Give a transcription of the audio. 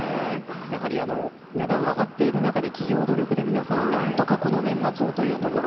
やはり値段上がっているなかで企業努力で、皆さん何とかこの年末をというところ。